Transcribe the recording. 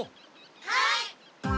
はい！